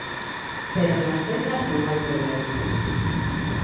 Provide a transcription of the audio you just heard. Pero nas tendas non hai problema.